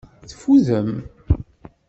Teffudem.